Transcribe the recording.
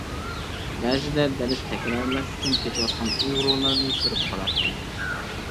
بەزىدە دەرس تەكرارلاش ئۈچۈن كېتىۋاتقان ئۇيغۇرلارنى كۆرۈپ قالاتتىم.